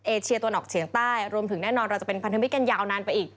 เอเชียตะวันออกเฉียงใต้รวมถึงแน่นอนเราจะเป็นพันธมิตรกันยาวนานไปอีก